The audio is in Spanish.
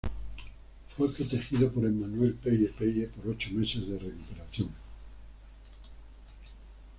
Fue protegido por Emmanuel Paye-Paye por ocho meses de recuperación.